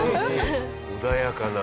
穏やかな。